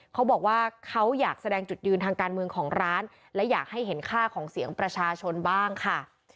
เขาบอกว่าเขาอยากแสดงจุดยืนทางการเมืองของร้านและอยากให้เห็นค่าของเสียงประชาชนบ้างค่ะ